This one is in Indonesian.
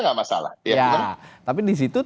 gak masalah ya tapi disitu